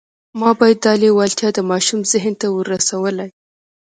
ما باید دا لېوالتیا د ماشوم ذهن ته ورسولای